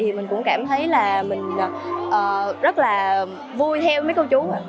thì mình cũng cảm thấy là mình rất là vui theo mấy cô chú